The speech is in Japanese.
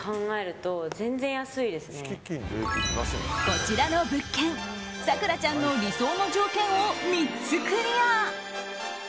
こちらの物件咲楽ちゃんの条件を３つクリア。